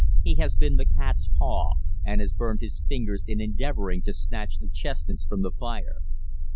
He has been the cat's paw, and has burned his fingers in endeavouring to snatch the chestnuts from the fire.